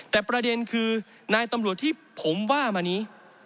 แต่ประเด็นคือนายตำรวจที่ผมว่ามานี้